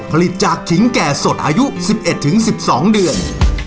ผลิตจากขิงแก่สดอายุ๑๑ถึง๑๒เดือน